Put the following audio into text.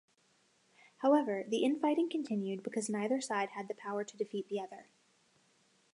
However, the infighting continued because neither side had the power to defeat the other.